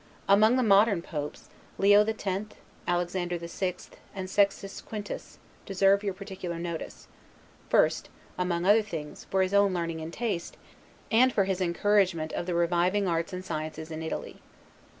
Among the modern Popes, Leo the Tenth, Alexander the Sixth, and Sextus Quintus, deserve your particular notice; the first, among other things, for his own learning and taste, and for his encouragement of the reviving arts and sciences in Italy.